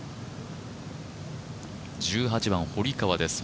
１８番、堀川です。